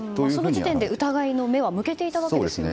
その時点で疑いの目は向けていたわけですよね。